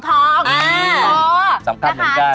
สำคัญเหมือนกัน